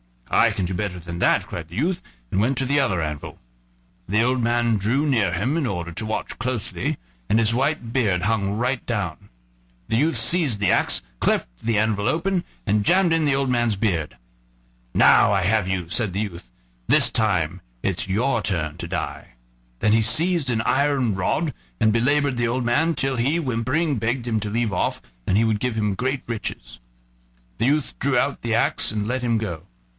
"I can do better than that," cried the youth, and went to the other anvil. The old man drew near him in order to watch closely, and his white beard hung right down. The youth seized the axe, cleft the anvil open, and jammed in the old man's beard. "Now I have you," said the youth; "this time it's your turn to die." Then he seized an iron rod and belabored the old man till he, whimpering, begged him to leave off, and he would give him great riches. The youth drew out the axe and let him go.